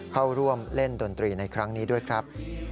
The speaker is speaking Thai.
เข้าร่วมเล่นดนตรีในครั้งนี้ด้วยครับ